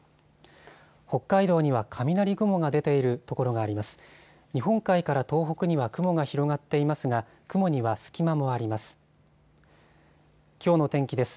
北海道には雷雲が出ているところがあります。